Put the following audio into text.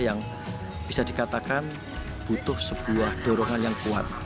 yang bisa dikatakan butuh sebuah dorongan yang kuat